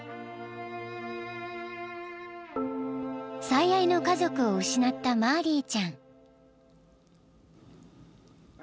［最愛の家族を失ったマーリーちゃん］